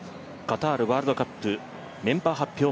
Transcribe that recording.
カタールワールドカップメンバー発表